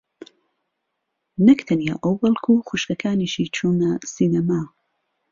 نەک تەنیا ئەو بەڵکوو خوشکەکانیشی چوونە سینەما.